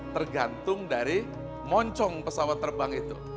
tergantung dari moncong pesawat terbang itu